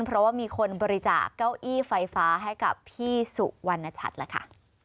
เพราะว่ามีคนบริจาคเก้าอี้ไฟฟ้าให้กับพี่สุวรรณชัดล่ะค่ะ